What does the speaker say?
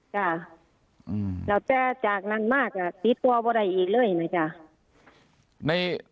จ้ะแล้วแจกนั้นมาก่อนให้ตีตัวประดับอีกเลยนะจ้ะ